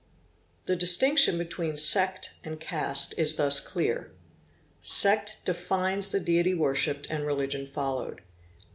The distinction between sect and caste is thus clear. Sect defines the deity worshipped and religion followed.